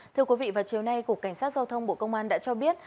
thưa quý vị vào chiều nay cục cảnh sát giao thông bộ công an đã cho biết